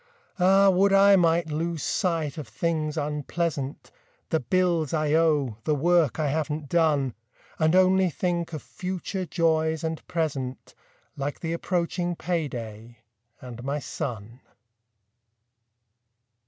Ah, would I might lose sight of things unpleasant: The bills I owe; the work I haven't done. And only think of future joys and present, Like the approaching payday, and my son.